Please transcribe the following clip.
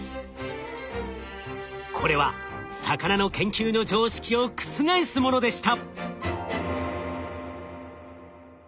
これは魚の研究の常識を覆すものでした。